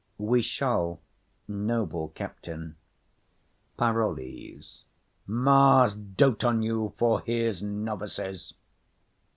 We shall, noble captain. PAROLLES. Mars dote on you for his novices!